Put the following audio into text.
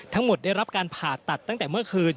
ได้รับการผ่าตัดตั้งแต่เมื่อคืน